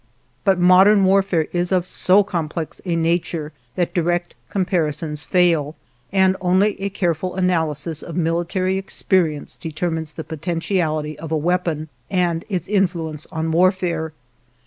But modern warfare is of so complex a nature that direct comparisons fail, and only a careful analysis of military experience determines the potentiality of a weapon and its influence on warfare.